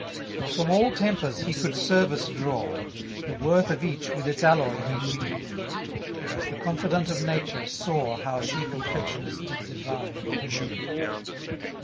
25 For from all tempers he could service draw; The worth of each, with its alloy, he knew; And, as the confidant of Nature, saw How she complexions did divide and brew.